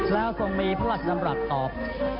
แล้วทรงมีพระราชดำรัฐออก